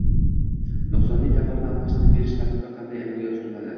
Nuqsonli tovarni almashtirib berish tartibi qanday amalga oshiriladi?